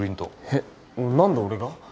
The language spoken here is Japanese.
えっ何で俺が？